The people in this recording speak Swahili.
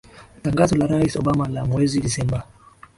Tangazo la rais Obama la mwezi Disemba